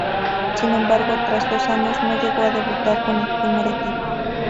Sin embargo, tras dos años no llegó a debutar con el primer equipo.